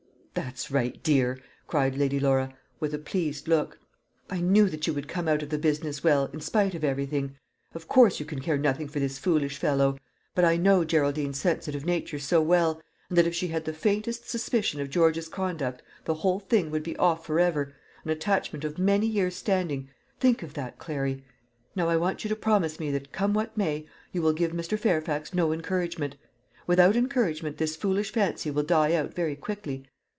"That's right, dear!" cried Lady Laura, with a pleased look. "I knew that you would come out of the business well, in spite of everything. Of course you can care nothing for this foolish fellow; but I know Geraldine's sensitive nature so well, and that if she had the faintest suspicion of George's conduct, the whole thing would be off for ever an attachment of many years' standing, think of that, Clary! Now I want you to promise me that, come what may, you will give Mr. Fairfax no encouragement. Without encouragement this foolish fancy will die out very quickly.